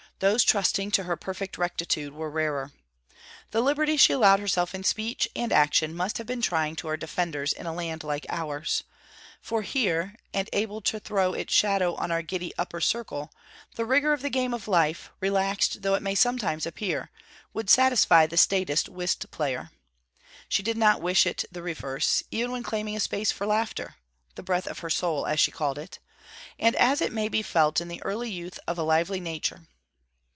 Those trusting to her perfect rectitude were rarer. The liberty she allowed herself in speech and action must have been trying to her defenders in a land like ours; for here, and able to throw its shadow on our giddy upper circle, the rigour of the game of life, relaxed though it may sometimes appear, would satisfy the staidest whist player. She did not wish it the reverse, even when claiming a space for laughter: 'the breath of her soul,' as she called it, and as it may be felt in the early youth of a lively nature.